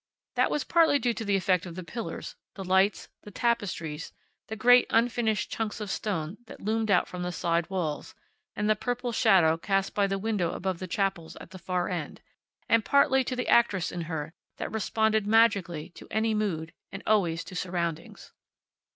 That was partly due to the effect of the pillars, the lights, the tapestries, the great, unfinished chunks of stone that loomed out from the side walls, and the purple shadow cast by the window above the chapels at the far end; and partly to the actress in her that responded magically to any mood, and always to surroundings.